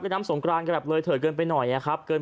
ด้วยน้ำสงกรานกลับเลยเถิดเกินไปหน่อยน่ะครับเกิน